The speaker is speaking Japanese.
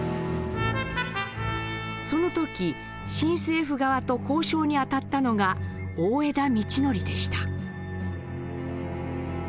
その時新政府側と交渉にあたったのが大條道徳でした。